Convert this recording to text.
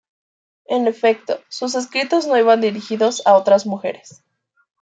En efecto, sus escritos no iban dirigidos a otras mujeres.